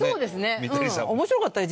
面白かったよ